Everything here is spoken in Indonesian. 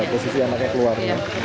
sudah posisi anaknya keluar